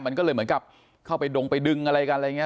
มันก็เลยเหมือนกับเข้าไปดงไปดึงอะไรกันอะไรอย่างนี้